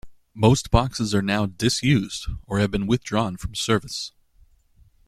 Most boxes are now disused or have been withdrawn from service.